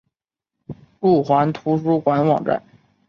路环图书馆网站